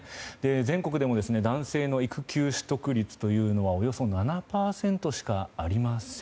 全国でも男性の育休取得率というのはおよそ７％しかありません。